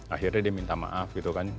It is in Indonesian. akhirnya dia minta maaf gitu kan